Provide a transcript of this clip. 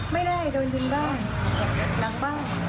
ไม่ได้โดนยิงบ้างหลังบ้าน